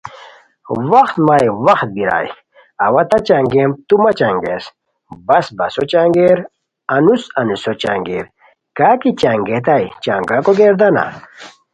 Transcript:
وختہ مائی وخت بیرائے، اوا تہ چنگیم تو مہ چنگیس بس بسو چنگیر انوس انوسو چنگیر کاکی چنگیتائے چنگاکو گردانہ